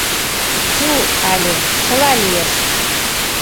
— Чу але, чыла лиеш...